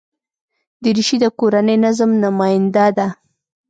دریشي د کورني نظم نماینده ده.